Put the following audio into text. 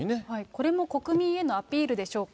これも国民へのアピールでしょうか。